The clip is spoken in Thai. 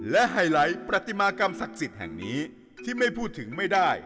และไฮไลท์ประติมากรรมศักดิ์สิทธิ์แห่งนี้ที่ไม่พูดถึงไม่ได้